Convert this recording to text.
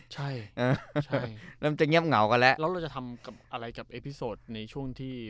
ใช่เออใช่เริ่มจะเงียบเหงากันแล้วแล้วเราจะทำกับอะไรกับเอพิโซดในช่วงที่